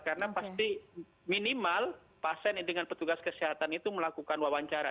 karena pasti minimal pasien dengan petugas kesehatan itu melakukan wawancara